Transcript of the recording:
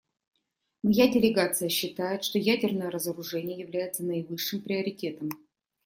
Моя делегация считает, что ядерное разоружение является наивысшим приоритетом.